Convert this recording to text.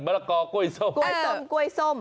มะละกอกล้วยส้ม